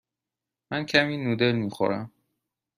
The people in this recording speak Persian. من کمی نودل می خورم.